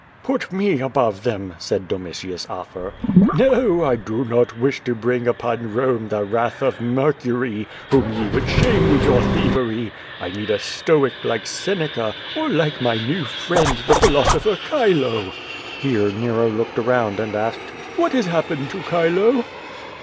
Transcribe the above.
'*Put me above them," said Domitius Afer. "Xo, 1 do not wish to bring upon Kome the wrath of Mer cury, whom ye would shame with your thievery. 1 need a stoic like Seneca, or like my new friend, the philosopher. Chilo.'' Here Nero looked around and asked: 'What has happened to Chilo?''